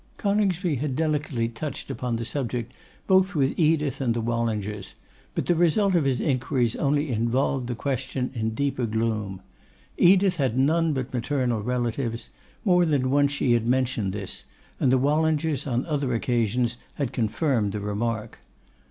Coningsby had delicately touched upon the subject both with Edith and the Wallingers, but the result of his inquiries only involved the question in deeper gloom. Edith had none but maternal relatives: more than once she had mentioned this, and the Wallingers, on other occasions, had confirmed the remark.